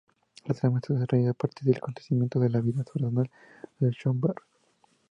La trama está desarrollada a partir de acontecimientos de la vida personal de Schönberg.